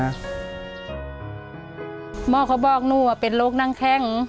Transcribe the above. ม่อเขาบอกหนูเป็นโรคนั่งแค่ง